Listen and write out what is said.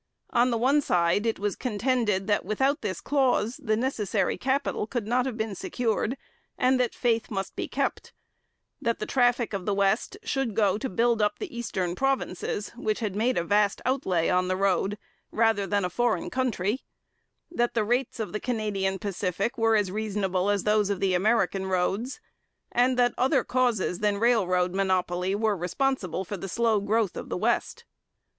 On the one side it was contended that without this clause the necessary capital could not have been secured and that faith must be kept; that the traffic of the West should go to build up the eastern provinces, which had made a vast outlay on the road, rather than a foreign country; that the rates of the Canadian Pacific were as reasonable as those of American roads; and that other causes than railroad monopoly were responsible for the slow growth of the West.